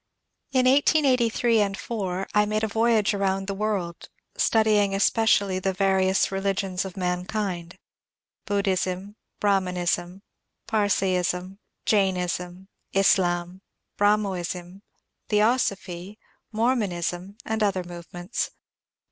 In 1883 4 I made a voyage around the world, studying es pecially the various religions of mankind, — Buddhism, Brah manism, Parsaism, Jainism, Islam, Brahmoism, Theosophy, Mormonism, and other movements.